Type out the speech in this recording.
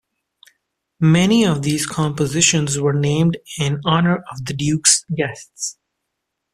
Many of these compositions were named in honor of the Duke's guests.